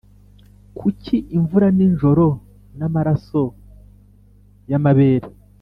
kuki imvura nijoro namaraso yamabere